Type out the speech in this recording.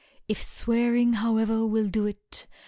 If swearing, however, will do it.